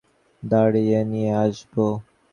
পঙ্গপাল কটাকে শিখার কাছে তাড়িয়ে নিয়ে আসব।